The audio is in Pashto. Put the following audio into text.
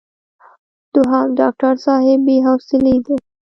دوهم: ډاکټر صاحب بې حوصلې دی.